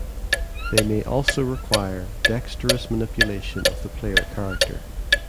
They may also require dexterous manipulation of the player character.